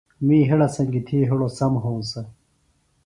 می ہِڑہ سنگیۡ تھی ہڑوۡ سم ہونسہ۔